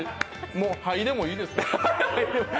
もう、はいでもいいですか？